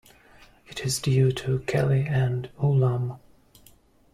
It is due to Kelly and Ulam.